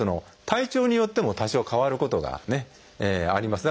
体調によっても多少変わることがあります。